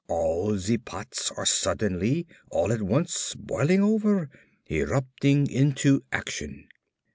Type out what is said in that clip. All the pots are suddenly, all at once, boiling over ... erupting into action!